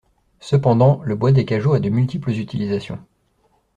Cependant, le bois des cageots a de multiples utilisations.